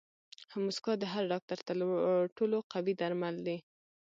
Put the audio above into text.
موسکا د هر ډاکټر تر ټولو قوي درمل دي.